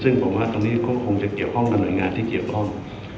ซึ่งผมว่าตอนนี้ก็คงจะเกี่ยวข้องกับหน่วยงานที่เกี่ยวข้อง